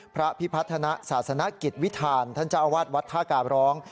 พระพิพัฒนาศาสนกิจวิทานท่านเจ้าอาวาสวัดท่ากาบร้อง